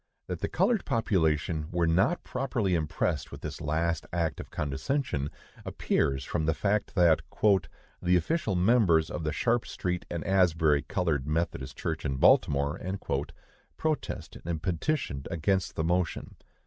That the colored population were not properly impressed with this last act of condescension, appears from the fact that "the official members of the Sharp street and Asbury Colored Methodist Church in Baltimore" protested and petitioned against the motion.